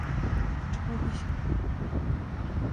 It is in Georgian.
ჯგუფის თქმით, ალბომი არ ჰგავდა არც ერთ წინა დისკს.